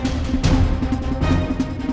jangan jangan jangan jangan